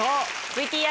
ＶＴＲ。